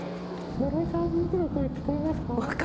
室井さん、私の声、聞こえますか？